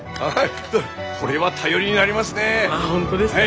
これは頼りになりますね。